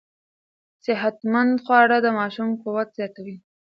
صحتمند خواړه د ماشوم قوت زیاتوي.